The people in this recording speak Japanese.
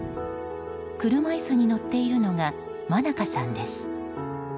車椅子に乗っているのが愛加さんです。